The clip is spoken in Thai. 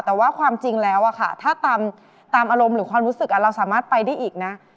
แต่ว่าความจริงแล้วค่ะถ้าตามอารมณ์หรือความรู้สึกเราสามารถไปได้อีกนะ